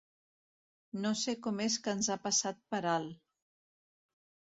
No sé com és que ens ha passat per alt.